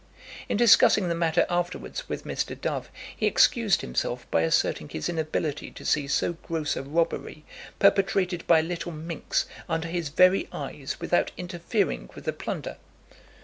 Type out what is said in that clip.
In discussing the matter afterwards with Mr. Dove, he excused himself by asserting his inability to see so gross a robbery perpetrated by a little minx under his very eyes without interfering with the plunder.